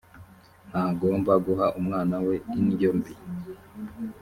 ntagomba guha umwana we indyo mbi